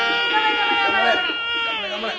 頑張れ！